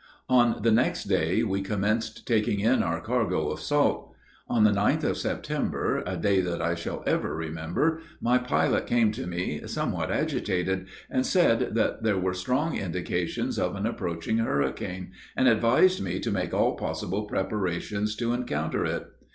On the next day we commenced taking in our cargo of salt. On the 9th of September, a day that I shall ever remember, my pilot came to me somewhat agitated, and said that there were strong indications of an approaching hurricane, and advised me to make all possible preparations to encounter it.